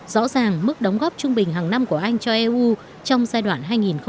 rõ ràng mức đóng góp trung bình hàng năm của anh cho eu trong giai đoạn hai nghìn một mươi hai hai nghìn một mươi sáu